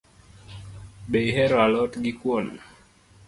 Be ihero a lot gi kuon